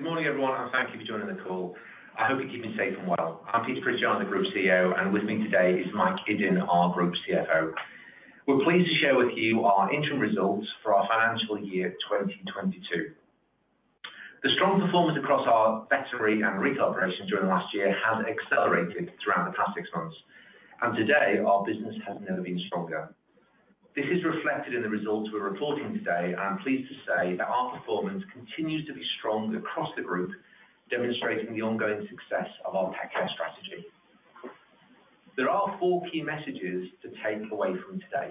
Good morning, everyone, and thank you for joining the call. I hope you're keeping safe and well. I'm Pete Pritchard, the Group CEO, and with me today is Mike Iddon, our Group CFO. We're pleased to share with you our interim results for our financial year 2022. The strong performance across our factory and retail operations during the last year has accelerated throughout the past six months. Today, our business has never been stronger. This is reflected in the results we're reporting today. I'm pleased to say that our performance continues to be strong across the group, demonstrating the ongoing success of our pet care strategy. There are four key messages to take away from today.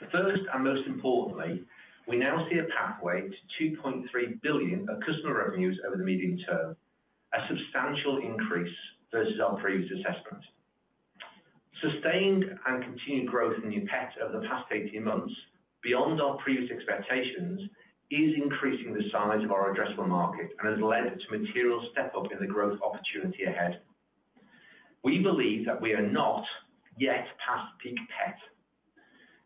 The first, and most importantly, we now see a pathway to 2.3 billion of customer revenues over the medium term, a substantial increase versus our previous assessment. Sustained and continued growth in new pet over the past 18 months, beyond our previous expectations, is increasing the size of our addressable market and has led to material step up in the growth opportunity ahead. We believe that we are not yet past peak pet.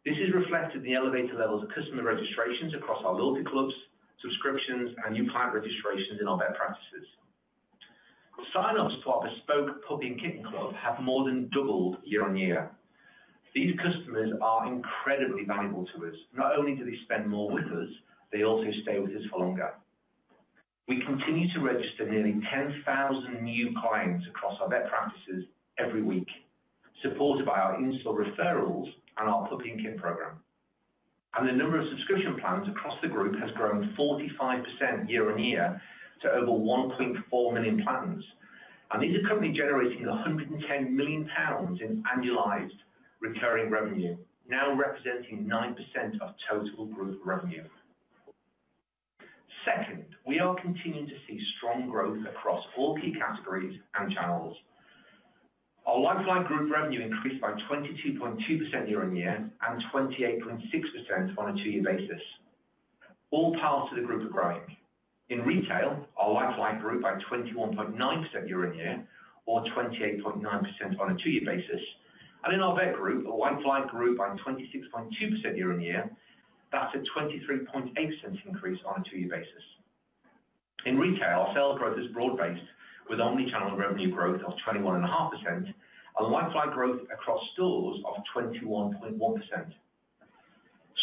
This is reflected in the elevated levels of customer registrations across our loyalty clubs, subscriptions, and new client registrations in our vet practices. Sign-ups to our bespoke Puppy and Kitten Club have more than doubled year-on-year. These customers are incredibly valuable to us. Not only do they spend more with us, they also stay with us for longer. We continue to register nearly 10,000 new clients across our vet practices every week, supported by our in-store referrals and our puppy and kitten program. The number of subscription plans across the group has grown 45% year-on-year to over 1.4 million plans. These are currently generating 110 million pounds in annualized recurring revenue, now representing 9% of total group revenue. Second, we are continuing to see strong growth across all key categories and channels. Our like-for-like group revenue increased by 22.2% year-on-year and 28.6% on a two-year basis. All parts of the group are growing. In retail, our like-for-like grew by 21.9% year-on-year or 28.9% on a two-year basis. In our vet group, our like-for-like grew by 26.2% year-on-year. That's a 23.8% increase on a two-year basis. In retail, our sales growth is broad-based with omnichannel revenue growth of 21.5% and like-for-like growth across stores of 21.1%.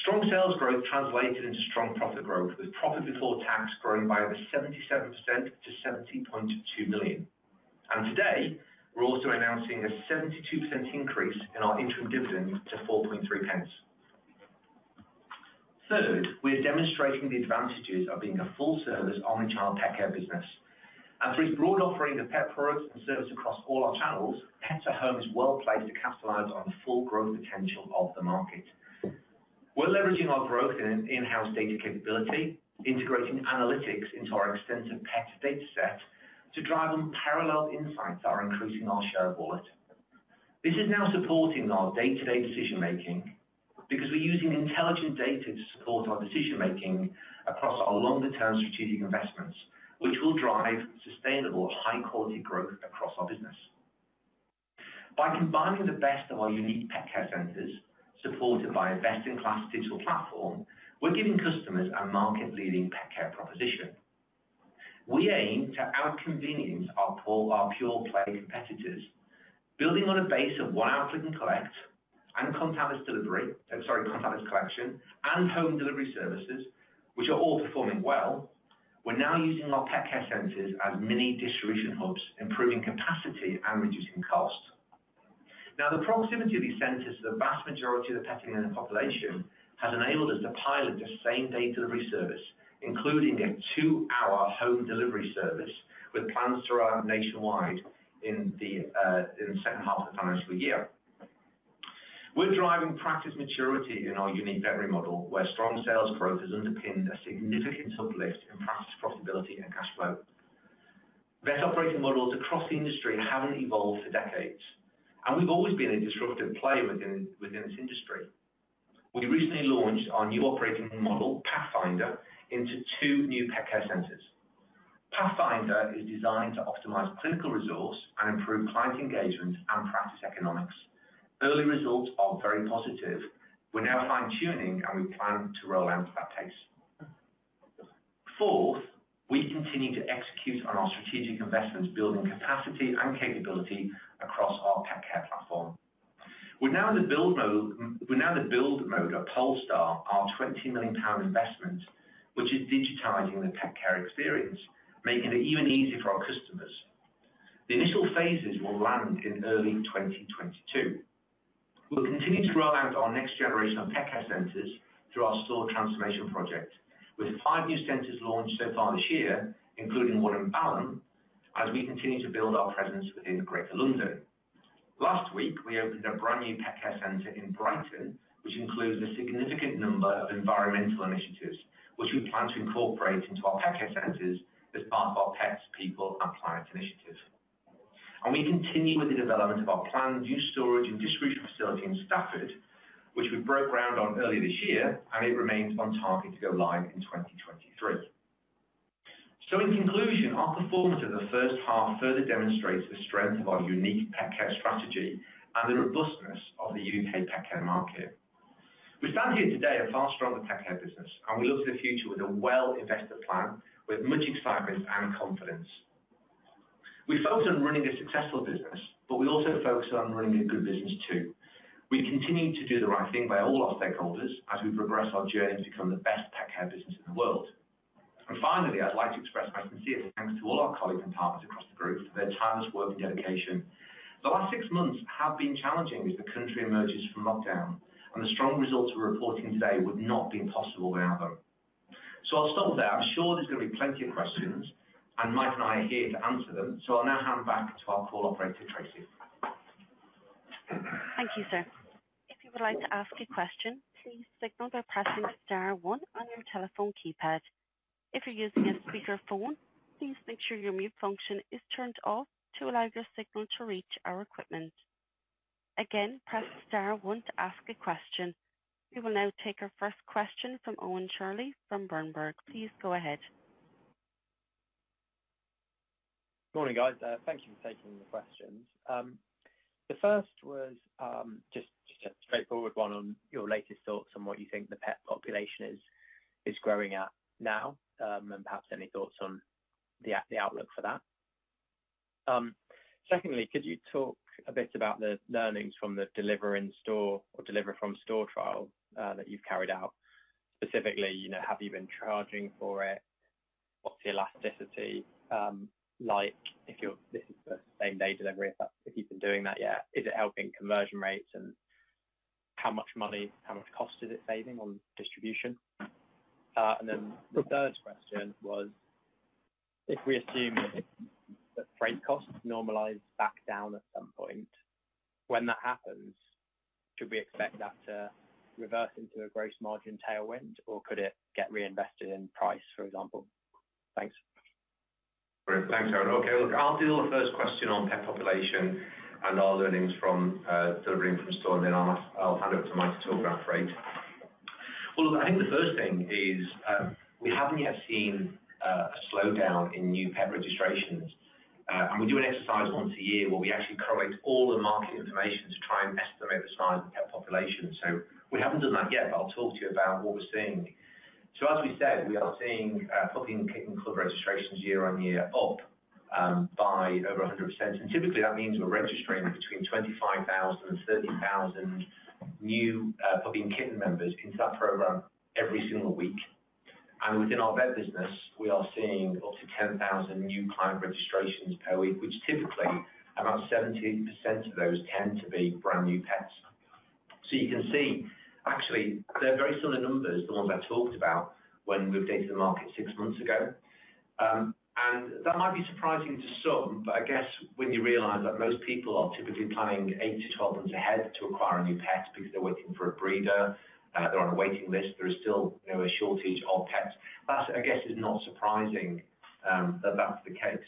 Strong sales growth translated into strong profit growth, with profit before tax growing by over 77% to 70.2 million. Today, we're also announcing a 72% increase in our interim dividend to 4.3. Third, we are demonstrating the advantages of being a full-service omnichannel pet care business. Through broad offering of pet products and services across all our channels, Pets at Home is well placed to capitalize on the full growth potential of the market. We're leveraging our growth in in-house data capability, integrating analytics into our extensive pet data set to drive unparalleled insights that are increasing our share of wallet. This is now supporting our day-to-day decision making, because we're using intelligent data to support our decision making across our longer term strategic investments, which will drive sustainable high-quality growth across our business. By combining the best of our unique Pet Care Centers, supported by a best-in-class digital platform, we're giving customers a market-leading pet care proposition. We aim to out-convenience our pure play competitors, building on a base of one-hour click and collect and contactless collection and home delivery services, which are all performing well. We're now using our Pet Care Centers as mini distribution hubs, improving capacity and reducing cost. Now, the proximity of these centers to the vast majority of the pet-owning population has enabled us to pilot the same-day delivery service, including a two-hour home delivery service, with plans to run nationwide in the second half of the financial year. We're driving practice maturity in our unique veterinary model, where strong sales growth has underpinned a significant uplift in practice profitability and cash flow. Vet operating models across the industry haven't evolved for decades, and we've always been a disruptive player within this industry. We recently launched our new operating model, Pathfinder, into two new Pet Care Centers. Pathfinder is designed to optimize clinical resource and improve client engagement and practice economics. Early results are very positive. We're now fine-tuning, and we plan to roll out to that pace. Fourth, we continue to execute on our strategic investments, building capacity and capability across our pet care platform. We're now in the build mode of Polestar, our 20 million pound investment, which is digitizing the pet care experience, making it even easier for our customers. The initial phases will land in early 2022. We'll continue to roll out our next generation of Pet Care Centers through our store transformation project, with five new centers launched so far this year, including one in Balham, as we continue to build our presence within Greater London. Last week, we opened a brand new Pet Care Center in Brighton, which includes a significant number of environmental initiatives, which we plan to incorporate into our Pet Care Centers as part of our Pets, People and Planet initiative. We continue with the development of our planned new storage and distribution facility in Stafford, which we broke ground on earlier this year, and it remains on target to go live in 2023. In conclusion, our performance in the first half further demonstrates the strength of our unique pet care strategy and the robustness of the U.K. pet care market. We stand here today a far stronger pet care business, and we look to the future with a well-invested plan with much excitement and confidence. We focus on running a successful business, but we also focus on running a good business too. We continue to do the right thing by all our stakeholders as we progress our journey to become the best pet care business in the world. Finally, I'd like to express my sincere thanks to all our colleagues and partners across the group for their tireless work and dedication. The last six months have been challenging as the country emerges from lockdown, and the strong results we're reporting today would not be possible without them. I'll stop there. I'm sure there's gonna be plenty of questions, and Mike and I are here to answer them. I'll now hand back to our call operator, Tracy. Thank you, sir. If you would like to ask a question, please signal by pressing star one on your telephone keypad. If you're using a speakerphone, please make sure your mute function is turned off to allow your signal to reach our equipment. Again, press star one to ask a question. We will now take our first question from Owen Shirley from Berenberg. Please go ahead. Morning, guys. Thank you for taking the questions. The first was just a straightforward one on your latest thoughts on what you think the pet population is growing at now, and perhaps any thoughts on the outlook for that. Secondly, could you talk a bit about the learnings from the deliver in-store or deliver from store trial that you've carried out. Specifically, you know, have you been charging for it? What's the elasticity like? This is for same-day delivery, if you've been doing that yet. Is it helping conversion rates, and how much cost is it saving on distribution? The third question was, if we assume that freight costs normalize back down at some point, when that happens, should we expect that to reverse into a gross margin tailwind, or could it get reinvested in price, for example? Thanks. Great. Thanks, Owen. Okay, look, I'll do the first question on pet population and our learnings from delivering from store, and then I'll hand over to Mike to talk about freight. Well, look, I think the first thing is, we haven't yet seen a slowdown in new pet registrations. We do an exercise once a year where we actually collate all the market information to try and estimate the size of the pet population. We haven't done that yet, but I'll talk to you about what we're seeing. As we said, we are seeing Puppy and Kitten Club registrations year-on-year up by over 100%. Typically that means we're registering between 25,000 and 30,000 new puppy and kitten members into that program every single week. Within our vet business, we are seeing up to 10,000 new client registrations per week, which typically about 70% of those tend to be brand new pets. You can see actually they're very similar numbers, the ones I talked about when we updated the market six months ago. That might be surprising to some, but I guess when you realize that most people are typically planning 8-12 months ahead to acquire a new pet because they're waiting for a breeder, they're on a waiting list. There is still, you know, a shortage of pets. That, I guess, is not surprising, that that's the case.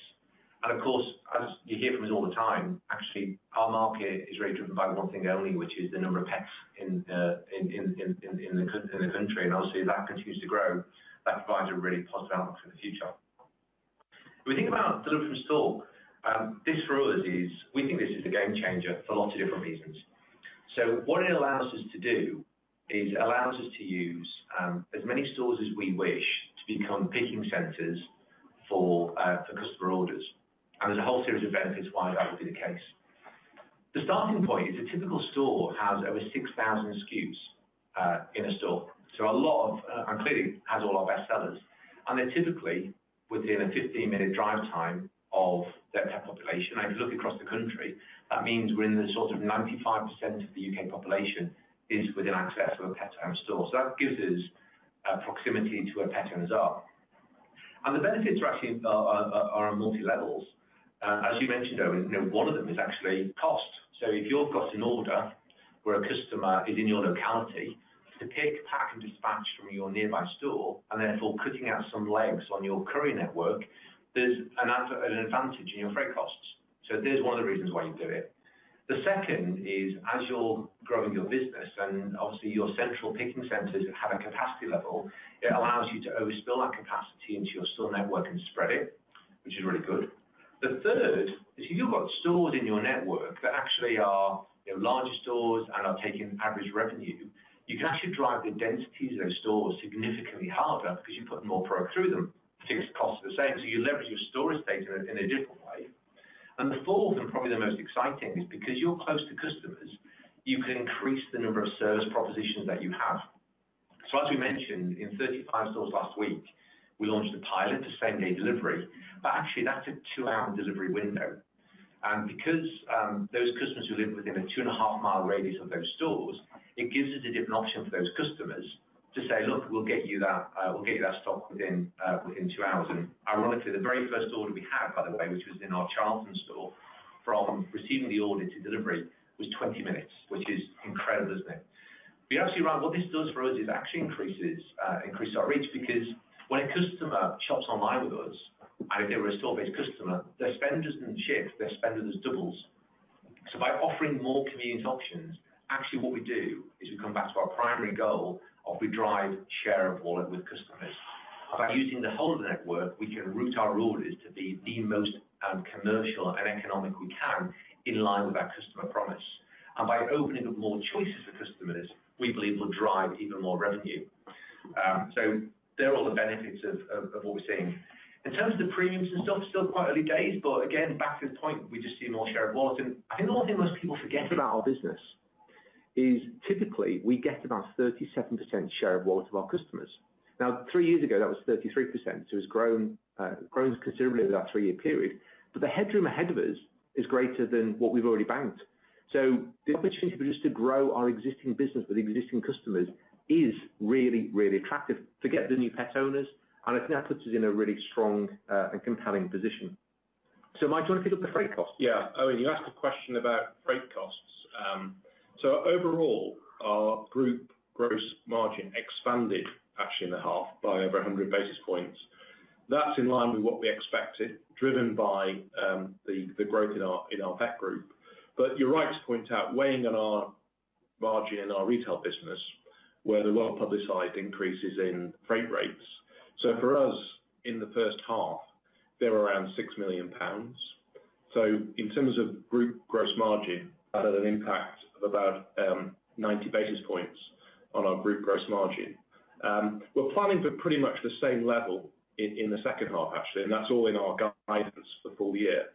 Of course, as you hear from us all the time, actually, our market is really driven by one thing only, which is the number of pets in the country. Obviously, if that continues to grow, that provides a really positive outlook for the future. If we think about deliver from store, this for us is we think this is a game changer for lots of different reasons. What it allows us to do is it allows us to use as many stores as we wish to become picking centers for customer orders. There's a whole series of benefits why that would be the case. The starting point is a typical store has over 6,000 SKUs in a store. A lot of, and clearly it has all our best sellers. They're typically within a 15-minute drive time of their pet population. If you look across the country, that means we're in the sort of 95% of the U.K. population is within access of a Pets at Home store. That gives us proximity to where pet owners are. The benefits are actually on multiple levels. As you mentioned, Owen, you know, one of them is actually cost. If you've got an order where a customer is in your locality to pick, pack, and dispatch from your nearby store, and therefore cutting out some legs on your courier network, there's an advantage in your freight costs. There's one of the reasons why you do it. The second is, as you're growing your business and obviously your central picking centers have a capacity level, it allows you to overspill that capacity into your store network and spread it, which is really good. The third is if you've got stores in your network that actually are, you know, larger stores and are taking the average revenue, you can actually drive the density to those stores significantly harder because you're putting more product through them. Fixed cost are the same, so you leverage your storage space in a different way. The fourth, and probably the most exciting, is because you're close to customers, you can increase the number of service propositions that you have. As we mentioned, in 35 stores last week, we launched a pilot to same-day delivery, but actually that's a two-hour delivery window. Because those customers who live within a 2.5-mile radius of those stores, it gives us a different option for those customers to say, "Look, we'll get you that stock within two hours." Ironically, the very first order we had, by the way, which was in our Charlton store, from receiving the order to delivery was 20 minutes, which is incredible, isn't it? Yeah, actually, Owen, what this does for us is actually increases our reach because when a customer shops online with us, and if they were a store-based customer, their spend doesn't shift, their spend just doubles. By offering more convenience options, actually what we do is we come back to our primary goal of we drive share of wallet with customers. By using the whole network, we can route our orders to be the most commercial and economic we can in line with our customer promise. By opening up more choices to customers, we believe will drive even more revenue. There are all the benefits of what we're seeing. In terms of the premiums and stuff, still quite early days, but again, back to the point, we just see more share of wallet. I think the only thing most people forget about our business is typically we get about 37% share of wallet of our customers. Now, three years ago, that was 33%, so it's grown considerably over that three-year period. The headroom ahead of us is greater than what we've already banked. The opportunity for us to grow our existing business with existing customers is really, really attractive to get the new pet owners, and I think that puts us in a really strong and compelling position. Mike, do you wanna pick up the freight costs? Yeah. Owen, you asked a question about freight costs. Overall, our group gross margin expanded actually in the half by over 100 basis points. That's in line with what we expected, driven by the growth in our vet group. You're right to point out, weighing on our margin in our retail business, were the well-publicized increases in freight rates. For us, in the first half, they were around 6 million pounds. In terms of group gross margin, had an impact of about 90 basis points on our group gross margin. We're planning for pretty much the same level in the second half, actually, and that's all in our guidance for the full year.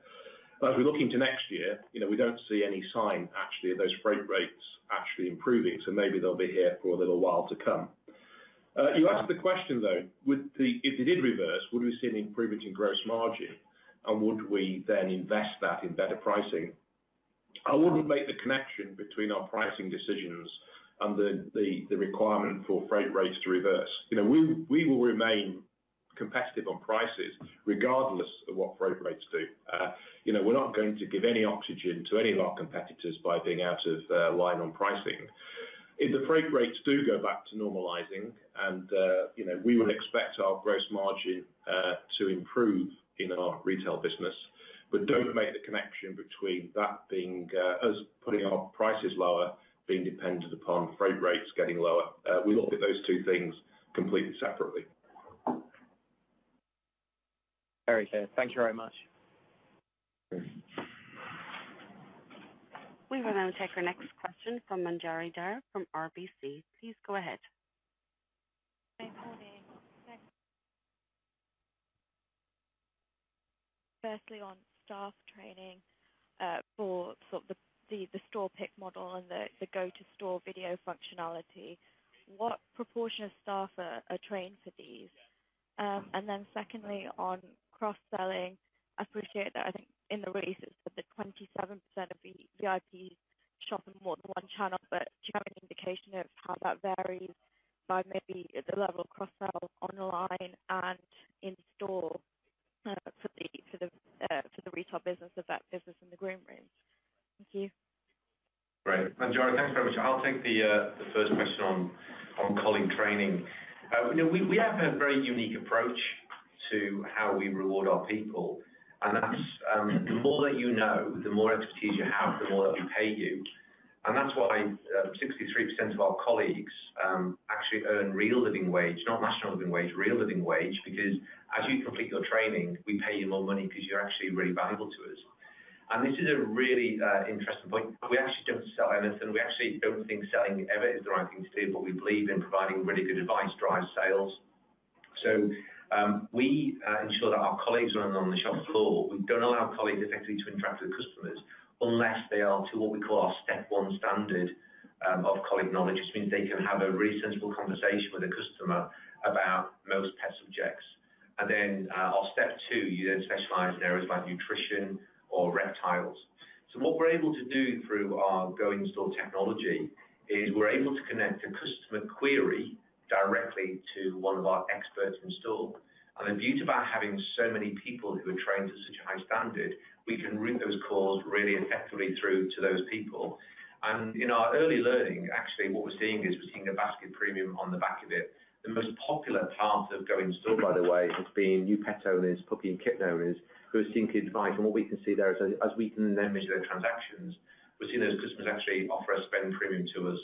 As we look into next year, you know, we don't see any sign actually of those freight rates actually improving, so maybe they'll be here for a little while to come. You asked the question though, if it did reverse, would we see an improvement in gross margin, and would we then invest that in better pricing? I wouldn't make the connection between our pricing decisions and the requirement for freight rates to reverse. You know, we will remain competitive on prices regardless of what freight rates do. You know, we're not going to give any oxygen to any of our competitors by being out of line on pricing. If the freight rates do go back to normalizing and, you know, we would expect our gross margin to improve in our retail business. Don't make the connection between that being us putting our prices lower, being dependent upon freight rates getting lower. We look at those two things completely separately. Very clear. Thank you very much. Okay. We will now take our next question from Manjari Dhar from RBC. Please go ahead. Hi. Good morning. Firstly, on staff training, for sort of the store pick model and the Go-to-store video functionality. What proportion of staff are trained for these? And then secondly, on cross-selling, I appreciate that, I think, in the releases that the 27% of the VIPs shop in more than one channel, but do you have any indication of how that varies by maybe the level of cross-sell online and in store, for the retail business, the vet business, and the groom rooms? Thank you. Great. Manjari, thanks very much. I'll take the first question on colleague training. You know we have a very unique approach to how we reward our people. That's the more that you know, the more expertise you have, the more that we pay you. That's why 63% of our colleagues actually earn real Living Wage, not National Living Wage, real Living Wage. Because as you complete your training, we pay you more money 'cause you're actually really valuable to us. This is a really interesting point. We actually don't sell anything. We actually don't think selling ever is the right thing to do, but we believe in providing really good advice drives sales. We ensure that our colleagues when they're on the shop floor, we don't allow colleagues effectively to interact with customers unless they are to what we call our step one standard of colleague knowledge. This means they can have a really sensible conversation with a customer about most pet subjects. Then, our step two, you then specialize in areas like nutrition or reptiles. What we're able to do through our Go Instore technology is we're able to connect a customer query directly to one of our experts in store. The beauty about having so many people who are trained to such a high standard, we can route those calls really effectively through to those people. In our early learning, actually what we're seeing is we're seeing a basket premium on the back of it. The most popular part of Go Instore, by the way, has been new pet owners, puppy and kitten owners who are seeking advice. What we can see there is, as we can then measure their transactions, we're seeing those customers actually offer a spend premium to us.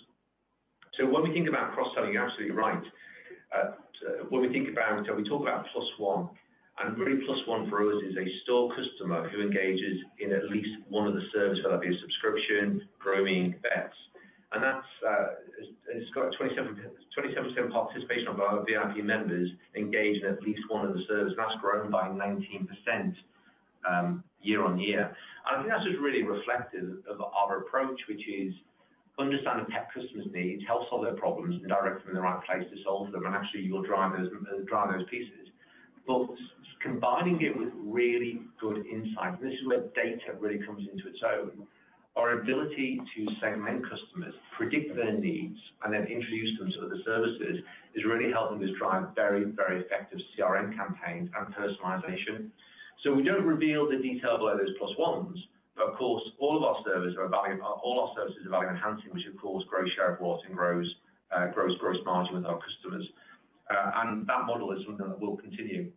When we think about cross-selling, you're absolutely right. When we think about, we talk about plus one, and really plus one for us is a store customer who engages in at least one of the services, whether that be a subscription, grooming, vets. That's, it's got a 27% participation of our VIP members engage in at least one of the services. That's grown by 19% year-on-year. I think that's just really reflective of our approach, which is understand the pet customer's needs, help solve their problems, and direct them in the right place to solve them and actually you'll drive those pieces. Combining it with really good insight, and this is where data really comes into its own. Our ability to segment customers, predict their needs, and then introduce them to other services is really helping us drive very, very effective CRM campaigns and personalization. We don't reveal the detail below those plus ones, but of course, all of our services are value enhancing, which of course grows share of wallet and grows gross margin with our customers. That model is something that will continue.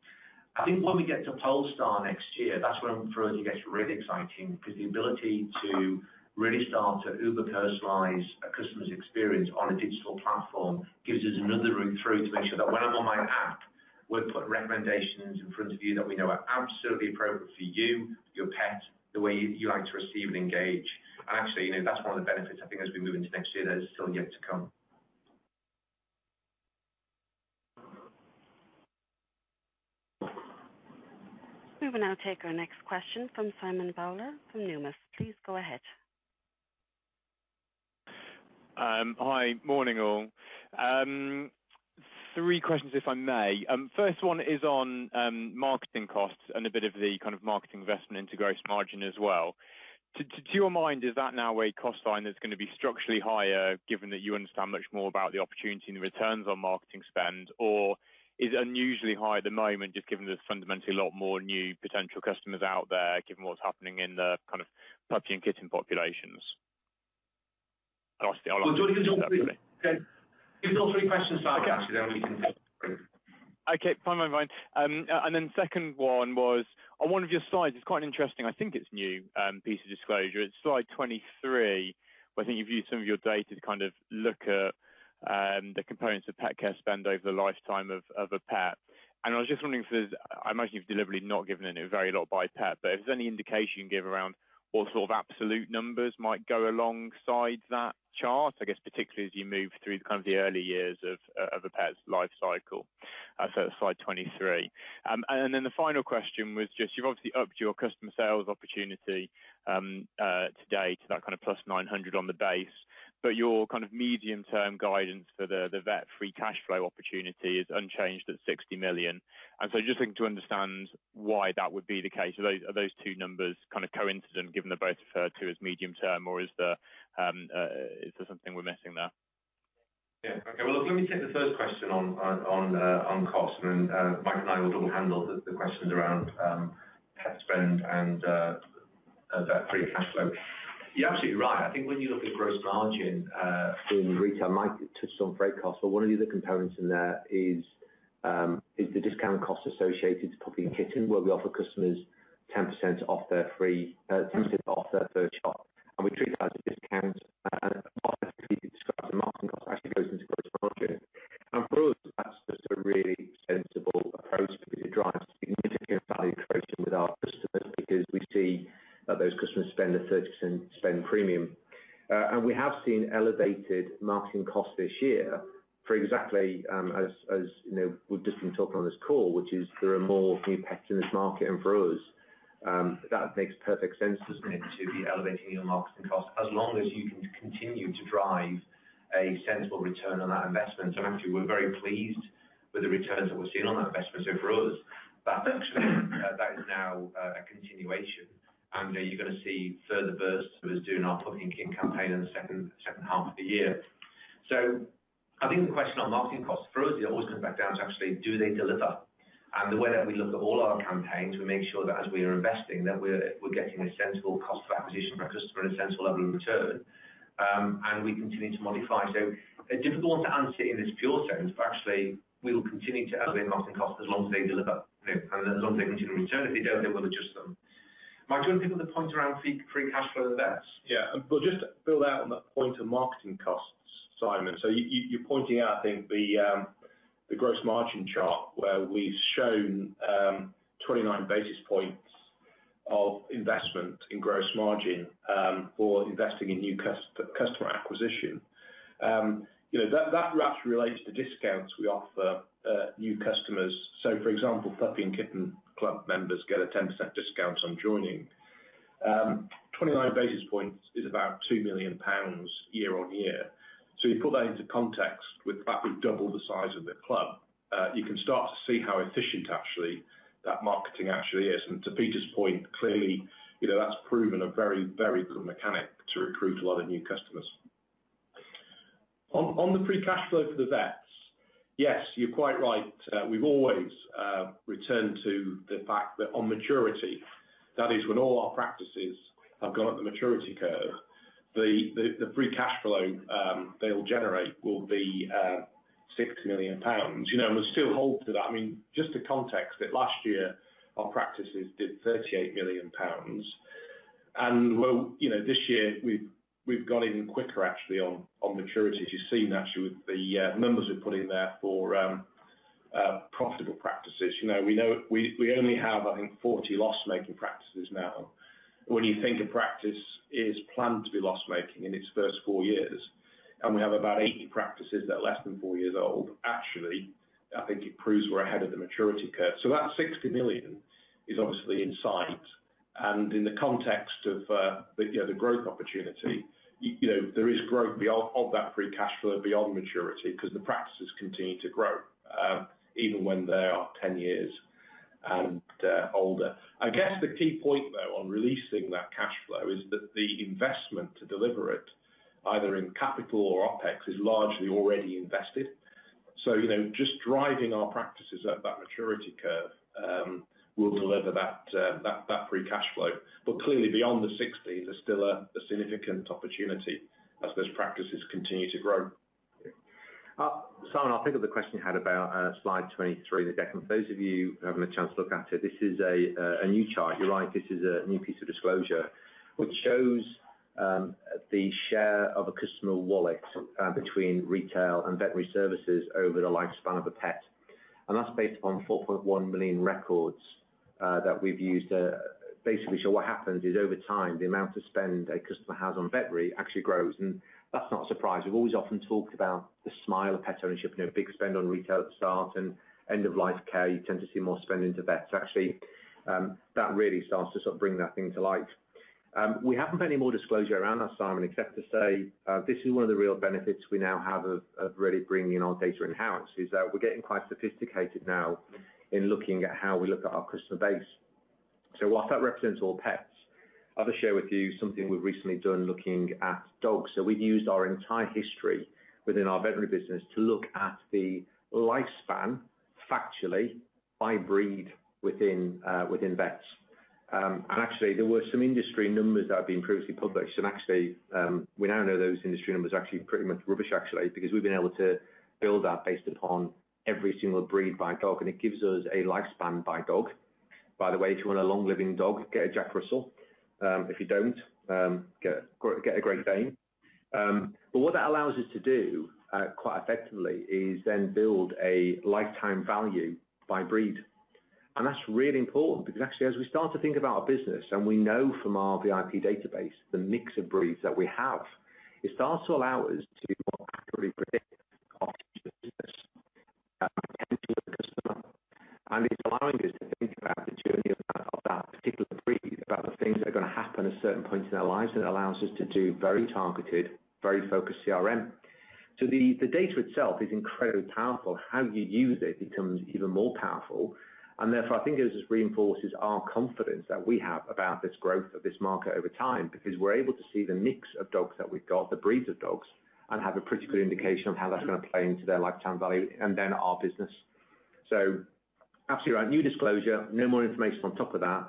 I think when we get to Polestar next year, that's when I'm sure it gets really exciting because the ability to really start to uber-personalize a customer's experience on a digital platform gives us another route through to make sure that when I'm on my app, we're putting recommendations in front of you that we know are absolutely appropriate for you, your pet, the way you like to receive and engage. Actually, you know, that's one of the benefits I think as we move into next year that is still yet to come. We will now take our next question from Simon Bowler from Numis. Please go ahead. Hi. Morning, all. Three questions if I may. First one is on, marketing costs and a bit of the kind of marketing investment into gross margin as well. To, to your mind, is that now a cost line that's gonna be structurally higher given that you understand much more about the opportunity and the returns on marketing spend? Or is it unusually high at the moment just given there's fundamentally a lot more new potential customers out there, given what's happening in the kind of puppy and kitten populations? Lastly, I'll ask Well, do you want to talk? Okay. If all three questions are asked. Okay. Fine by me. Second one was on one of your slides, it's quite an interesting, I think it's new, piece of disclosure. It's slide 23, where I think you've used some of your data to kind of look at the components of pet care spend over the lifetime of a pet. I was just wondering if there's, I imagine you've deliberately not given any, vary a lot by pet, but if there's any indication you can give around what sort of absolute numbers might go alongside that chart, I guess particularly as you move through kind of the early years of a pet's life cycle. Slide 23. The final question was just you've obviously upped your customer sales opportunity to date, that kind of +900 on the base. Your kind of medium term guidance for the vet free cash flow opportunity is unchanged at 60 million. Just looking to understand why that would be the case. Are those two numbers kind of coincident given they're both referred to as medium term or is there something we're missing there? Yeah. Okay. Well, look, let me take the first question on cost and Mike and I will double handle the questions around pet spend and vet free cash flow. You're absolutely right. I think when you look at gross margin in retail, Mike touched on freight costs, but one of the other components in there is the discount cost associated to puppy and kitten, where we offer customers 10% off their first shop. We treat that as a discount. For us, that's just a really sensible approach because it drives significant value creation with our customers because we see that those customers spend a 30% spend premium. We have seen elevated marketing costs this year for exactly the reasons you know we've just been talking about on this call, which is there are more new pets in this market. For us, that makes perfect sense, doesn't it? To be elevating your marketing costs as long as you can continue to drive a sensible return on that investment. Actually, we're very pleased with the returns that we've seen on that investment. For us, that actually is now a continuation and you're gonna see further bursts as we're doing our puppy and kitten campaign in the second half of the year. I think the question on marketing costs, for us, it always comes back down to actually do they deliver? The way that we look at all our campaigns, we make sure that as we are investing, that we're getting a sensible cost of acquisition per customer and a sensible level of return, and we continue to modify. A difficult one to answer in this pure sense, but actually we will continue to elevate marketing costs as long as they deliver and as long as they continue to return. If they don't, then we'll adjust them. Mike, do you want to give them the point around free cash flow to the vets? Yeah. Just to build out on the point of marketing costs, Simon. You're pointing out, I think, the gross margin chart where we've shown 29 basis points of investment in gross margin for investing in new customer acquisition. You know, that actually relates to discounts we offer new customers. For example, Puppy and Kitten Club members get a 10% discount on joining. 29 basis points is about 2 million pounds year-over-year. You put that into context with that, we've doubled the size of the club. You can start to see how efficient actually that marketing actually is. To Peter's point, clearly, you know, that's proven a very, very good mechanic to recruit a lot of new customers. On the free cash flow for the vets, yes, you're quite right. We've always returned to the fact that on maturity, that is when all our practices have gone up the maturity curve, the free cash flow they'll generate will be 60 million pounds. You know, we still hold to that. I mean, just to context it, last year our practices did 38 million pounds. Well, you know, this year we've gone even quicker actually on maturity as you've seen actually with the numbers we've put in there for profitable practices. You know, we only have, I think 40 loss-making practices now. When you think a practice is planned to be loss-making in its first four years, and we have about 80 practices that are less than four years old. Actually, I think it proves we're ahead of the maturity curve. That 60 million is obviously in sight. In the context of the growth opportunity, you know, there is growth beyond that free cash flow beyond maturity because the practices continue to grow, even when they are 10 years and older. I guess the key point though, on releasing that cash flow is that the investment to deliver it, either in capital or OpEx, is largely already invested. You know, just driving our practices up that maturity curve will deliver that free cash flow. Clearly beyond the 60, there's still a significant opportunity as those practices continue to grow. Simon, I'll pick up the question you had about slide 23 in the deck. For those of you who haven't had a chance to look at it, this is a new chart. You're right, this is a new piece of disclosure which shows the share of a customer wallet between retail and veterinary services over the lifespan of a pet. That's based upon 4.1 million records that we've used to basically show what happens is over time, the amount of spend a customer has on veterinary actually grows. That's not a surprise. We've always often talked about the smile of pet ownership, you know, big spend on retail at the start and end of life care, you tend to see more spend into vet. Actually, that really starts to sort of bring that thing to light. We haven't put any more disclosure around that, Simon, except to say, this is one of the real benefits we now have of really bringing our data in-house, is that we're getting quite sophisticated now in looking at how we look at our customer base. Whilst that represents all pets, I'll just share with you something we've recently done looking at dogs. We've used our entire history within our veterinary business to look at the lifespan, factually by breed within vets. Actually there were some industry numbers that have been previously published. Actually, we now know those industry numbers are actually pretty much rubbish actually, because we've been able to build that based upon every single breed by a dog, and it gives us a lifespan by dog. By the way, if you want a long living dog, get a Jack Russell. If you don't, get a Great Dane. But what that allows us to do, quite effectively is then build a lifetime value by breed. That's really important because actually as we start to think about our business and we know from our VIP database the mix of breeds that we have, it starts to allow us to more. It's allowing us to think about the journey of that particular breed, about the things that are gonna happen at certain points in their lives. It allows us to do very targeted, very focused CRM. The data itself is incredibly powerful. How you use it becomes even more powerful. Therefore, I think it just reinforces our confidence that we have about this growth of this market over time, because we're able to see the mix of dogs that we've got, the breeds of dogs, and have a pretty good indication of how that's gonna play into their lifetime value and then our business. Absolutely right. New disclosure, no more information on top of that.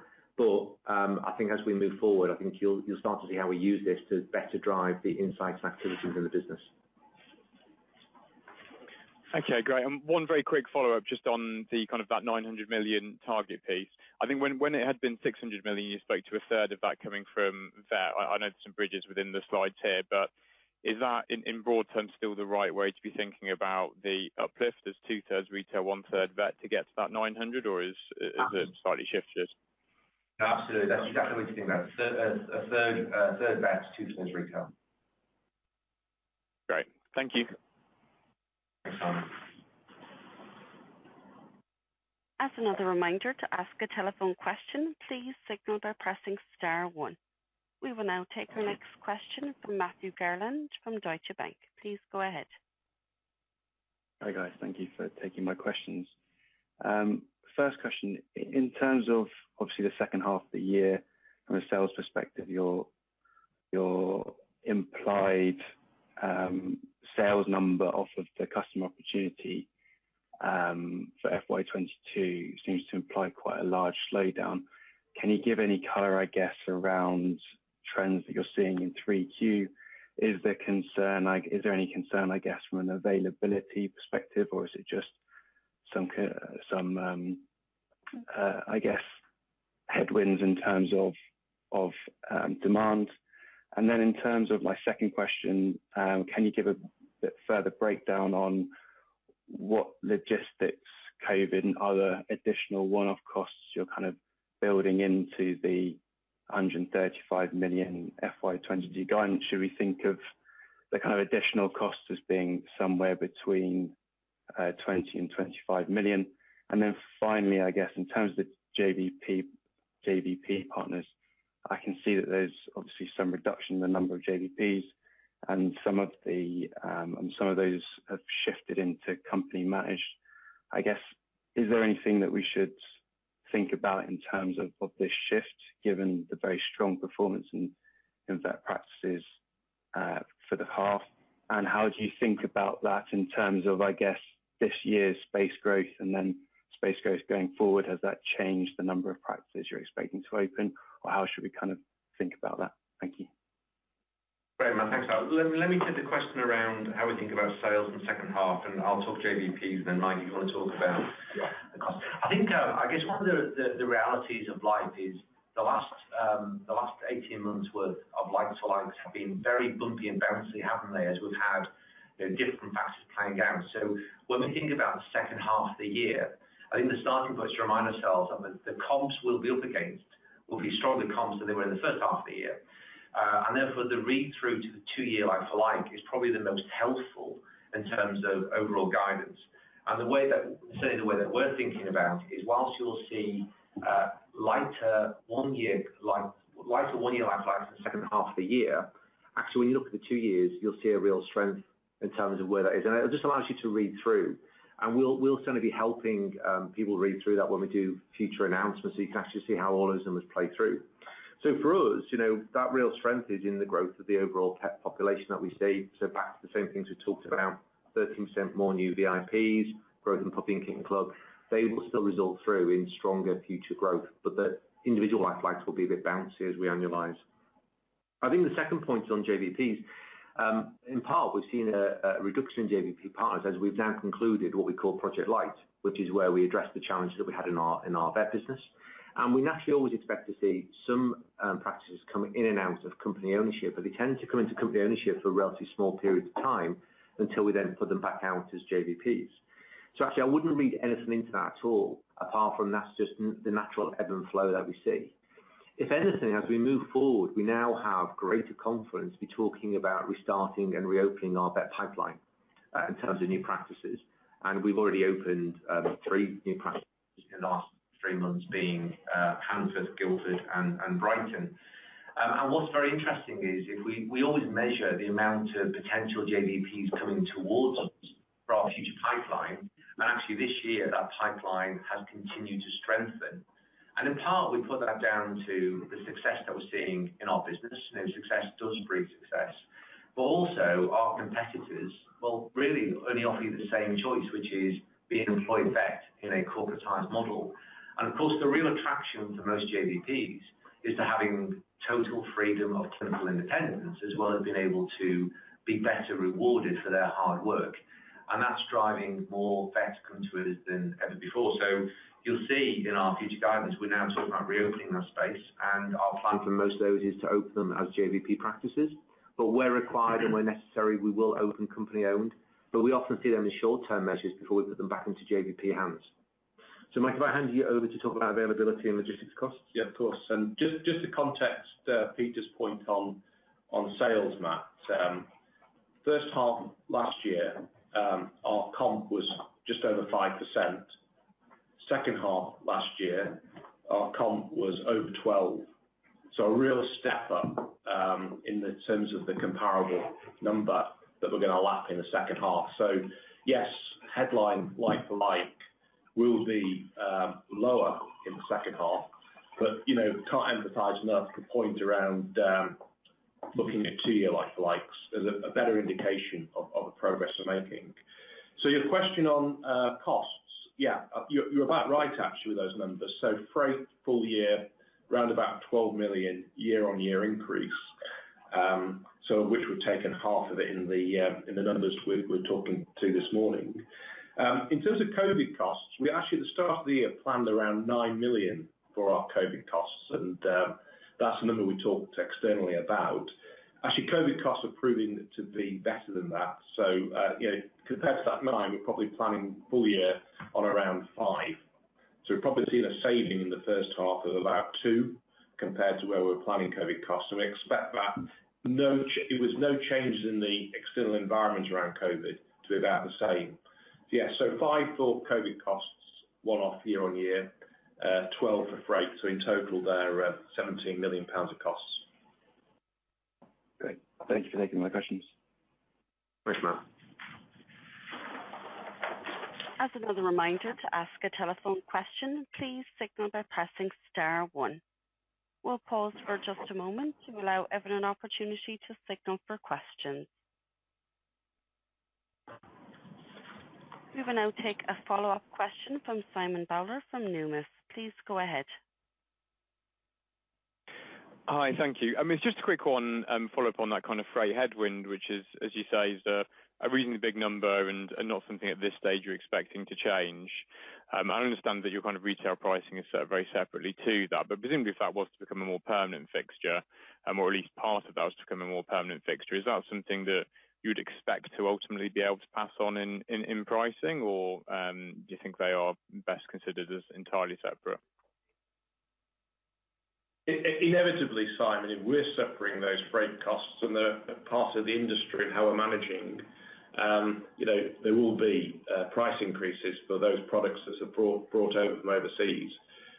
I think as we move forward, I think you'll start to see how we use this to better drive the insights and activities in the business. Okay, great. One very quick follow-up just on the kind of that 900 million target piece. I think when it had been 600 million, you spoke to a third of that coming from vet. I know there's some bridges within the slides here, but is that in broad terms still the right way to be thinking about the uplift as two-third retail, one-third vet to get to that 900? Or is it slightly shifted? Absolutely. That's exactly what you think about. A third vet, two-thirds retail. Great. Thank you. Thanks, Simon. As another reminder, to ask a telephone question, please signal by pressing star one. We will now take our next question from Matthew Garland from Deutsche Bank. Please go ahead. Hi, guys. Thank you for taking my questions. First question, in terms of obviously the second half of the year from a sales perspective, your implied sales number off of the customer opportunity for FY 2022 seems to imply quite a large slowdown. Can you give any color, I guess, around trends that you're seeing in 3Q? Is there concern, like is there any concern, I guess, from an availability perspective? Or is it just some headwinds in terms of demand? In terms of my second question, can you give a bit further breakdown on what logistics, COVID, and other additional one-off costs you're kind of building into the 135 million FY 2022 guidance? Should we think of the kind of additional costs as being somewhere between 20 million-25 million? Then finally, I guess in terms of the JVP partners, I can see that there's obviously some reduction in the number of JVPs and some of those have shifted into company managed. I guess, is there anything that we should think about in terms of this shift given the very strong performance in vet practices for the half? How do you think about that in terms of, I guess, this year's space growth and then space growth going forward? Has that changed the number of practices you're expecting to open, or how should we kind of think about that? Thank you. Great, Matt. Thanks a lot. Let me take the question around how we think about sales in the second half, and I'll talk JVPs, and then Mike, if you want to talk about the cost. I think, I guess one of the realities of life is the last 18 months' worth of like-for-likes have been very bumpy and bouncy, haven't they, as we've had, you know, different factors playing out. When we think about the second half of the year, I think the starting point should remind ourselves that the comps we'll be up against will be stronger comps than they were in the first half of the year. And therefore, the read-through to the two-year like-for-like is probably the most helpful in terms of overall guidance. Certainly the way that we're thinking about is whilst you'll see lighter one-year like-for-likes in the second half of the year, actually, when you look at the two years, you'll see a real strength in terms of where that is. It just allows you to read through. We'll certainly be helping people read through that when we do future announcements, so you can actually see how all of them has played through. For us, you know, that real strength is in the growth of the overall pet population that we see. Back to the same things we talked about, 13% more new VIPs, growth in Puppy and Kitten Club, they will still resolve through in stronger future growth. The individual like-for-likes will be a bit bouncy as we annualize. I think the second point on JVPs, in part we've seen a reduction in JVP partners as we've now concluded what we call Project Lite, which is where we address the challenges that we had in our vet business. We naturally always expect to see some practices coming in and out of company ownership, but they tend to come into company ownership for relatively small periods of time until we then put them back out as JVPs. Actually, I wouldn't read anything into that at all, apart from that's just the natural ebb and flow that we see. If anything, as we move forward, we now have greater confidence in talking about restarting and reopening our vet pipeline in terms of new practices, and we've already opened three new practices in the last three months, being Hampstead, Guildford and Brighton. What's very interesting is we always measure the amount of potential JVPs coming towards us for our future pipeline. Actually this year, that pipeline has continued to strengthen. In part, we put that down to the success that we're seeing in our business. You know, success does breed success. But also our competitors, well, really only offer you the same choice, which is being an employed vet in a corporatized model. Of course, the real attraction for most JVPs is to having total freedom of clinical independence, as well as being able to be better rewarded for their hard work. That's driving more vets coming to us than ever before. You'll see in our future guidance, we're now talking about reopening that space and our plan for most of those is to open them as JVP practices. Where required and where necessary, we will open company-owned, but we often see them as short-term measures before we put them back into JVP hands. Mike, if I hand you over to talk about availability and logistics costs. Yeah, of course. Just for context Peter's point on sales, Matt. First half last year, our comp was just over 5%. Second half last year, our comp was over 12%. A real step up in terms of the comparable number that we're gonna lap in the second half. Yes, headline like-for-like will be lower in the second half. But you know, can't emphasize enough the point around looking at two-year like-for-likes as a better indication of the progress we're making. Your question on costs. Yeah, you're about right actually with those numbers. Freight full year, around about 12 million year-on-year increase. Which we've taken half of it in the numbers we're talking to this morning. In terms of COVID costs, we actually at the start of the year planned around 9 million for our COVID costs, and that's the number we talked externally about. Actually, COVID costs are proving to be better than that. You know, compared to that 9 million, we're probably planning full year on around 5 million. We've probably seen a saving in the first half of about 2 million compared to where we're planning COVID costs, and we expect that. No change in the external environment around COVID to be about the same. Yeah. 5 million for COVID costs, one-off year on year, 12 million for freight. In total they're 17 million pounds of costs. Great. Thank you for taking my questions. Thanks, Matt. As another reminder to ask a telephone question, please signal by pressing star one. We'll pause for just a moment to allow everyone an opportunity to signal for questions. We will now take a follow-up question from Simon Bowler from Numis. Please go ahead. Hi. Thank you. I mean, it's just a quick one, follow up on that kind of freight headwind, which is, as you say, is a reasonably big number and not something at this stage you're expecting to change. I understand that your kind of retail pricing is sort of very separately to that, but presumably if that was to become a more permanent fixture or at least part of that was to become a more permanent fixture, is that something that you'd expect to ultimately be able to pass on in pricing? Or, do you think they are best considered as entirely separate? Inevitably, Simon, if we're suffering those freight costs and they're a part of the industry and how we're managing, you know, there will be price increases for those products that are brought over from overseas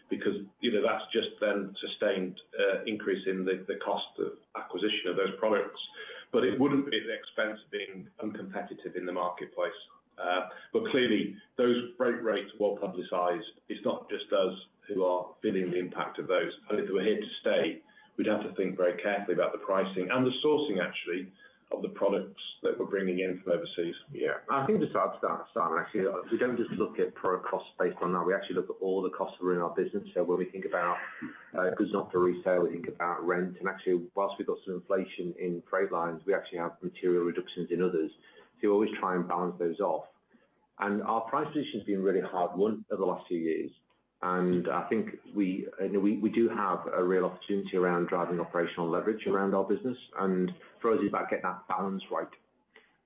because, you know, that's just then sustained increase in the cost of acquisition of those products. It wouldn't be at the expense of being uncompetitive in the marketplace. Clearly those freight rates well publicized, it's not just us who are feeling the impact of those. If they were here to stay, we'd have to think very carefully about the pricing and the sourcing actually of the products that we're bringing in from overseas. Yeah. I think just to add to that, Simon, actually, we don't just look at pro costs based on that. We actually look at all the costs that are in our business. When we think about goods not for resale, we think about rent. Actually, while we've got some inflation in freight lines, we actually have material reductions in others. We always try and balance those off. Our price position has been really hard won over the last few years. I think we, you know, we do have a real opportunity around driving operational leverage around our business and for us it's about getting that balance right.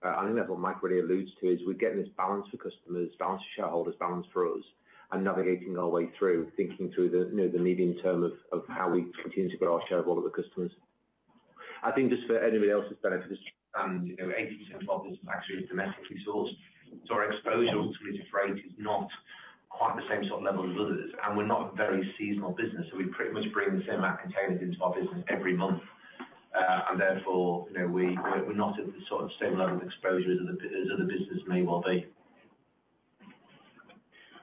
I think that's what Mike really alludes to, is we're getting this balance for customers, balance for shareholders, balance for us, and navigating our way through thinking through the medium term of how we continue to grow our share of all of the customers. I think just for anybody else's benefit, you know, 80% of our business is actually domestically sourced, so our exposure to freight is not quite the same sort of level as others. We're not a very seasonal business, so we pretty much bring the same amount of containers into our business every month. Therefore, you know, we're not at the sort of same level of exposure as other business may well be.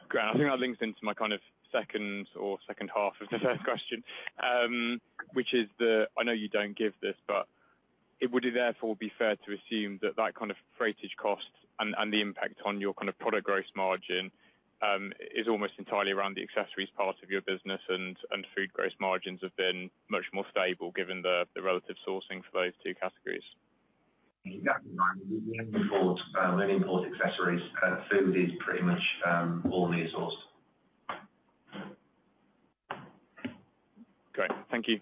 Great. I think that links into my kind of second half of the first question, which is the, I know you don't give this, but would it therefore be fair to assume that that kind of freightage cost and the impact on your kind of product gross margin, is almost entirely around the accessories part of your business and food gross margins have been much more stable given the the relative sourcing for those two categories? Exactly. We import, we only import accessories. Food is pretty much all near sourced. Great. Thank you.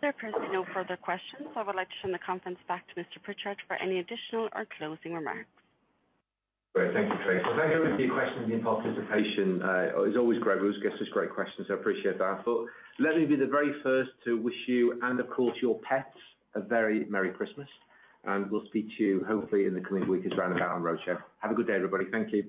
There are currently no further questions. I would like to turn the conference back to Mr. Pritchard for any additional or closing remarks. Great. Thank you, Tracy. Well, thank you everybody for your questions and your participation. As always, Greg always gets us great questions, so appreciate that. Let me be the very first to wish you and of course your pets a very merry Christmas, and we'll speak to you hopefully in the coming week or thereabouts on roadshow. Have a good day, everybody. Thank you.